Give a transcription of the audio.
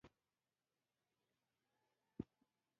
بلوڅ ته يې وکتل.